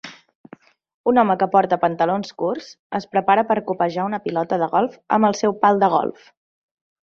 Un home que porta pantalons curts es prepara per copejar una pilota de golf amb el seu pal de golf.